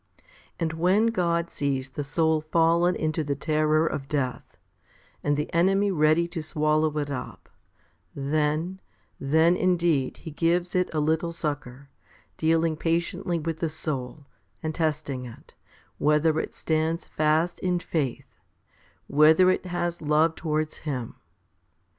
And when God sees the soul fallen into the terror of death, and the enemy ready to swallow it up, then, then indeed He gives it a little succour, dealing patiently with the soul, and testing it, whether it stands fast in faith, whether it has love towards Him.